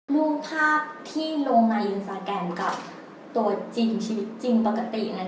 รูปภาพที่ลงในอินสตาแกรมกับตัวจริงชีวิตจริงปกติ